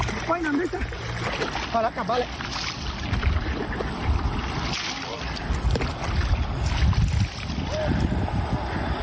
ไอหน่าน้ำได้จ๊ะพอแล้วกลับบ้านเลย